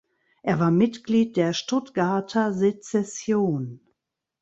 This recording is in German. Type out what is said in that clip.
Er war Mitglied der Stuttgarter Sezession.